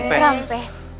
sampai balatak ini